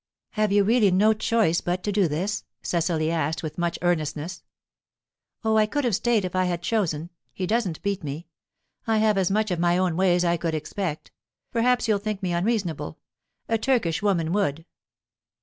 "Have you really no choice but to do this?" Cecily asked, with much earnestness. "Oh, I could have stayed if I had chosen. He doesn't beat me. I have as much of my own way as I could expect. Perhaps you'll think me unreasonable. A Turkish woman would."